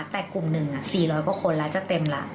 แต่กลุ่มหนึ่ง๔๐๐กว่าคนแล้วจะเต็มแล้ว